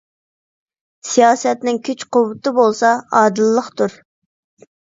سىياسەتنىڭ كۈچ - قۇۋۋىتى بولسا ئادىللىقتۇر.